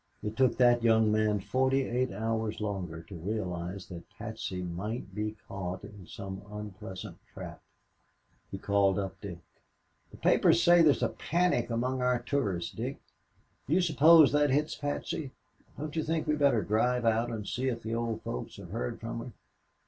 It took that young man forty eight hours longer to realize that Patsy might be caught in some unpleasant trap. He called up Dick. "The papers say there's a panic among our tourists, Dick. Do you suppose that hits Patsy? Don't you think we better drive out and see if the old folks have heard from her?"